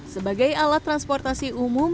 sebagai alat transportasi umum